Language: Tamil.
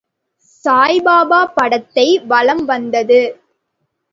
சாயிபாபா படத்தை வலம் வந்தது.